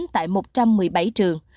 tại một trăm một mươi bảy trường